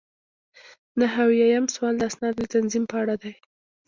نهه اویایم سوال د اسنادو د تنظیم په اړه دی.